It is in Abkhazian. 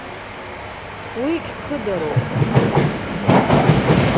Уигь хыдароуп.